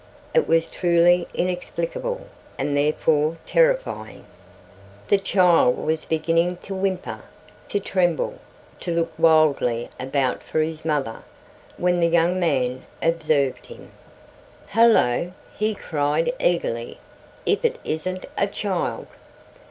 It was truly inexplicable, and therefore terrifying. The child was beginning to whimper, to tremble, to look wildly about for his mother, when the young man observed him. "Hullo!" he cried eagerly, "if it isn't a child!"